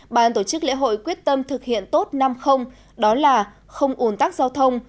ban tổ chức lễ hội quyết tâm thực hiện tốt năm đó là không ủn tắc giao thông